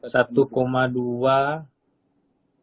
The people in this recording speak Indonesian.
satu dua juta hektare di papua